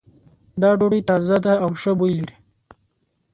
دا ډوډۍ تازه ده او ښه بوی لری